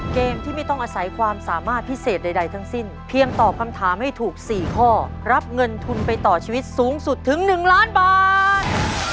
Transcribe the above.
เกมที่ไม่ต้องอาศัยความสามารถพิเศษใดทั้งสิ้นเพียงตอบคำถามให้ถูก๔ข้อรับเงินทุนไปต่อชีวิตสูงสุดถึง๑ล้านบาท